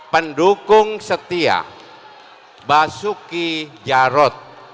pendukung setia basuki jarod